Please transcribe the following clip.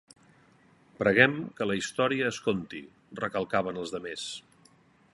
Preguem que la història es conti!- recalcaven els demés.